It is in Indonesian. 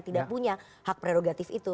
tidak punya hak prerogatif itu